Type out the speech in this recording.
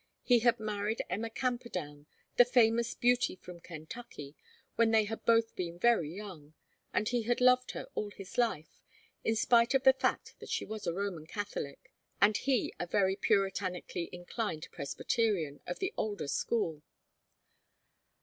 He had married Emma Camperdown, the famous beauty from Kentucky, when they had both been very young, and he had loved her all his life, in spite of the fact that she was a Roman Catholic and he a very puritanically inclined Presbyterian of the older school.